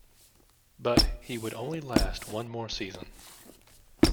But, he would only last one more season.